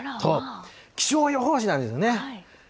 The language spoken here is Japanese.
気象予報士なんですね。